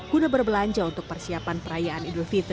guna berbelanja untuk persiapan perayaan